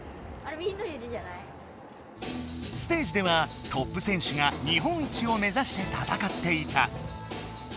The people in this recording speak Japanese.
ステージではトップ選手が日本一を目ざしてたたかっていた。